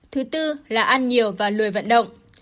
thứ tư là ăn nhiều và lười vận động